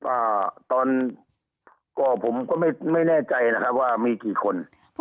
อ่าตอนก่อผมก็ไม่ไม่แน่ใจนะครับว่ามีกี่คน